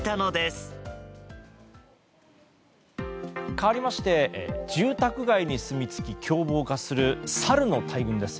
かわりまして住宅街に住み着き狂暴化する、サルの大群です。